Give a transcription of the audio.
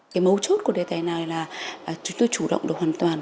cái mấu chốt của đề tài này là chúng tôi chủ động được hoàn toàn